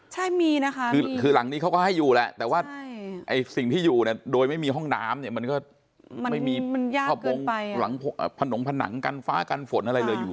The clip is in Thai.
ใช่มีนะคะคือหลังนี้เขาก็ให้อยู่แหละแต่ว่าไอ้สิ่งที่อยู่เนี่ยโดยไม่มีห้องน้ำเนี่ยมันก็ไม่มีผนงผนังกันฟ้ากันฝนอะไรเลยอยู่